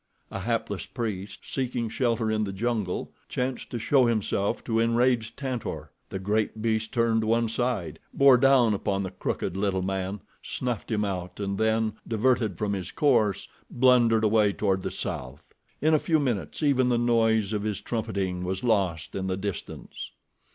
A hapless priest seeking shelter in the jungle chanced to show himself to enraged Tantor. The great beast turned to one side, bore down upon the crooked, little man, snuffed him out and then, diverted from his course, blundered away toward the south. In a few minutes even the noise of his trumpeting was lost in the distance.